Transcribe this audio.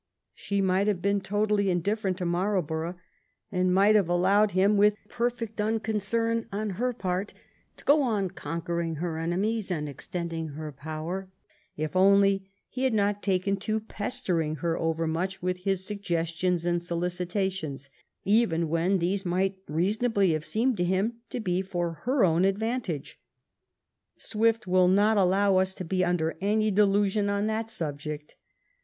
She might have been totally indifferent to Marl borough and might have allowed him, with perfect un concern on her part, to go on conquering her enemies 375 THE BEION OF QUEEN ANNE and extending her power, if onlj he had not taken to pestering her over much with his suggestions and so licitationSy even when these might reasonably have seemed to him to be for her own advantage. Swift will not allow us to be under any delusion on that subject.